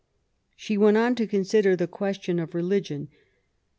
She went on to consider the question of religion.